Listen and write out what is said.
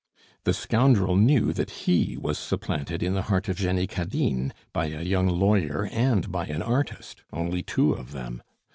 The scoundrel knew that he was supplanted in the heart of Jenny Cadine by a young lawyer and by an artist only two of them!